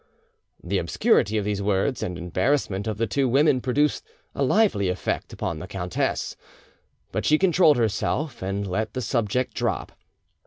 The obscurity of these words and embarrassment of the two women produced a lively effect upon the countess; but she controlled herself and let the subject drop.